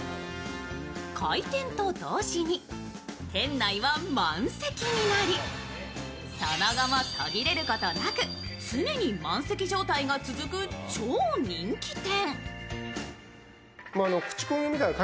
開店と同時に店内は満席になり、その後も途切れることなく常に満席状態が続く超人気店。